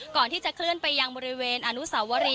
ก่อนที่จะเคลื่อนไปยังมศวรี